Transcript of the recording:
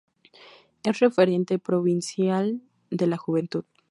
Es referente provincial de la juventud.